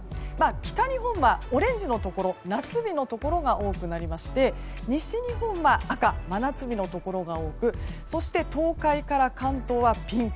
北日本はオレンジのところ夏日のところが多くなりまして西日本は赤、真夏日のところが多くそして東海から関東はピンク。